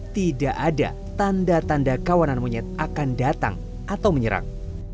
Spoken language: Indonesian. tidak ada tanda tanda kawanan monyet akan datang atau menyerang